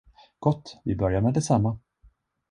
Gott, vi börjar med detsamma!